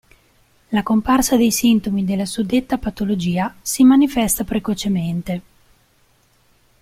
La comparsa dei sintomi della suddetta patologia si manifesta precocemente.